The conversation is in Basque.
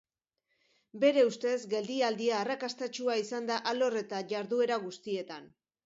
Bere ustez, geldialdia arrakastatsua izan da alor eta iharduera guztietan.